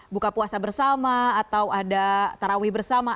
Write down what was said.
buka puasa bersama atau ada tarawih bersama